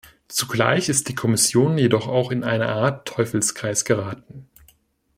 Zugleich ist die Kommission jedoch auch in eine Art Teufelskreis geraten.